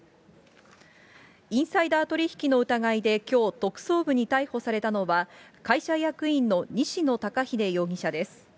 インサイダー取引の疑いできょう特捜部に逮捕されたのは、会社役員の西野高秀容疑者です。